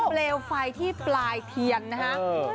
เปลวไฟที่ปลายเทียนนะฮะ